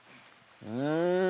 うん！